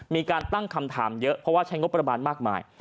มีการตั้งคำถามเยอะเพราะว่าใช้งบประมาณมากมาย